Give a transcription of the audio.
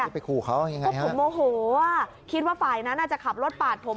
ไปขู่เขายังไงฮะคุณโมโหว่าคิดว่าฝ่ายนั้นน่าจะขับรถปัดผม